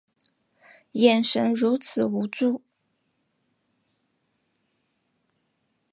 眼神如此无助